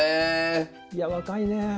いや若いね！